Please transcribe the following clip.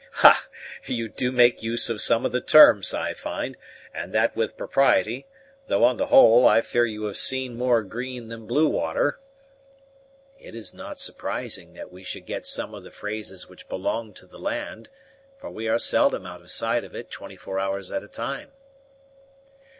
"Ha! you do make use of some of the terms, I find, and that with propriety; though, on the whole, I fear you have seen more green than blue water." "It is not surprising that we should get some of the phrases which belong to the land; for we are seldom out of sight of it twenty four hours at a time."